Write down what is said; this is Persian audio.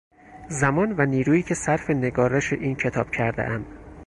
زمان و نیرویی که صرف نگارش این کتاب کردهام